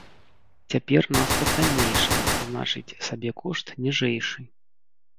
Цяпер нафта таннейшая, значыць сабекошт ніжэйшы.